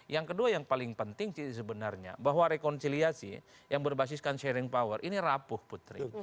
yang kedua yang paling penting sebenarnya bahwa rekonsiliasi yang berbasiskan sharing power ini rapuh putri